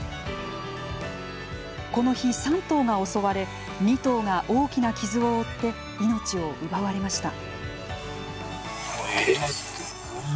この日、３頭が襲われ２頭が大きな傷を負って命を奪われました。